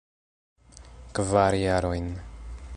Kvar jarojn.